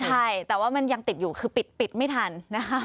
ใช่แต่ว่ามันยังติดอยู่คือปิดไม่ทันนะคะ